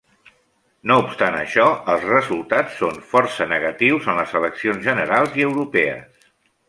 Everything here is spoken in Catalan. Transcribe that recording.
No obstant això, els resultats són força negatius en les eleccions generals i europees.